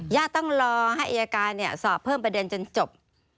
ต้องรอให้อายการสอบเพิ่มประเด็นจนจบ